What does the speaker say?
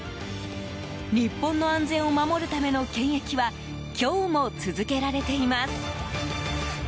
日本の安全を守るための検疫は今日も続けられています。